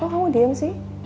kok kamu diem sih